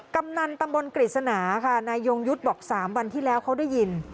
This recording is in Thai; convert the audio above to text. กำนันตำบลกฤษณาค่ะนายยงยุทธ์บอก๓วันที่แล้วเขาได้ยิน